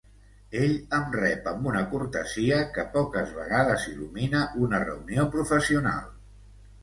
Ell em rep amb una cortesia que poques vegades il·lumina una reunió professional.